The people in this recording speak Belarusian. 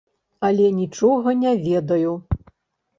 Але нічога не ведаю.